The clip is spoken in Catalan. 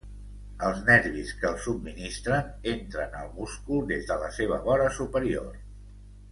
Els nervis que el subministren entren al múscul des de la seva vora superior.